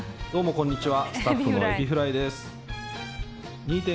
こんにちは。